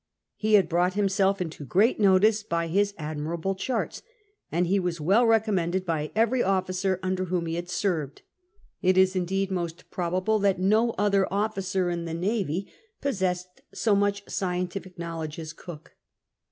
He had brought himself into great notice by his admir able charts, and he was well recommended by every officer under whom he had served. It is indeed most probable that no other officer in the navy possessed so much scientific knowledge as Cook.